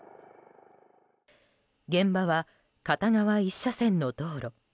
現場は片側１車線の道路。